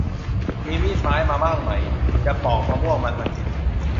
มีมีดไม้มามั่งไหมจะปอกมะม่วงมันมากิน